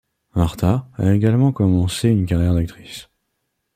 Martha a également commencé une carrière d'actrice.